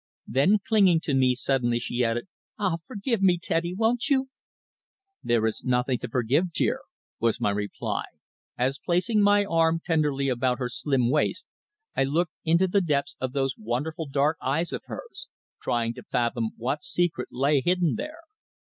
Then clinging to me suddenly, she added, "Ah! forgive me, Teddy, won't you?" "There is nothing to forgive, dear," was my reply, as, placing my arm tenderly about her slim waist, I looked into the depths of those wonderful dark eyes of hers, trying to fathom what secret lay hidden there.